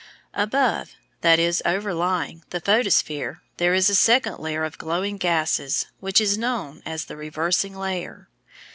Above that is, overlying the photosphere there is a second layer of glowing gases, which is known as the reversing layer.